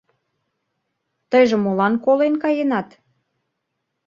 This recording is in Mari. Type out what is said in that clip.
Тыйже молан колен каенат?